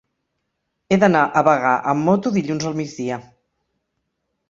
He d'anar a Bagà amb moto dilluns al migdia.